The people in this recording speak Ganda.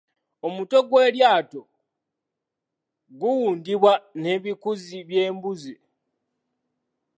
Omutwe gw’eryato guwundibwa nebikuzzi byembuzi.